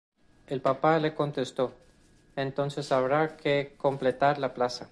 El Papa le contestó "entonces habrá que completar la Plaza".